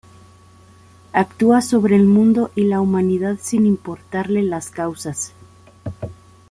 Actúa sobre el mundo y la humanidad sin importarle las causas.